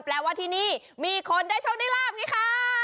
แปลว่าที่นี่มีคนได้โชคดีล่ามนี่ค่ะ